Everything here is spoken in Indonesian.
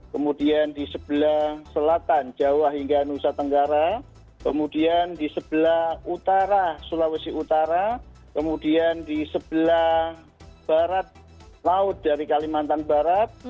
kemudian di sebelah selatan jawa hingga nusa tenggara kemudian di sebelah utara sulawesi utara kemudian di sebelah barat laut dari kalimantan barat